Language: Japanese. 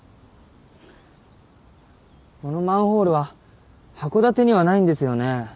このマンホールは函館にはないんですよね。